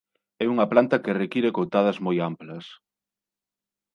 É unha planta que require coutadas moi amplas.